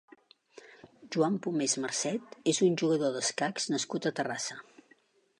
Joan Pomés Marcet és un jugador d'escacs nascut a Terrassa.